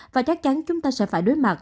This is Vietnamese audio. và chắc chắn chúng ta sẽ phải đối mặt